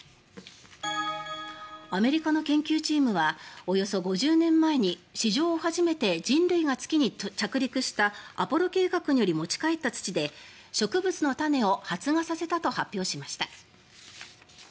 アメリカの研究チームはおよそ５０年前に史上初めて人類が月に着陸したアポロ計画により持ち帰った土で植物の種を発芽させたと発表しました。